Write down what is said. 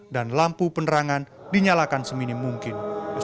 dan lampu penerangan dinyalakan seminim mungkin